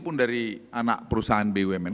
pun dari anak perusahaan bumn